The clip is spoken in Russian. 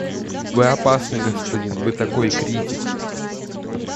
Вы опасный господин; вы такой критик.